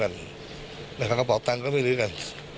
ชะถานการูกับกิจฟังไม่ยุ่งกัน